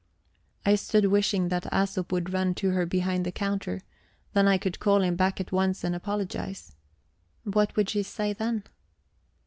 I stood wishing that Æsop would run to her behind the counter then I could call him back at once and apologise. What would she say then?